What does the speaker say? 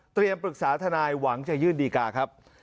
ปรึกษาทนายหวังจะยื่นดีการ์ครับ